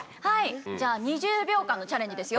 じゃあ２０秒間のチャレンジですよ。